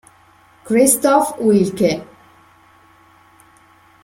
Kristof Wilke